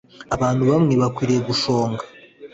abantu bamwe bakwiriye gushonga.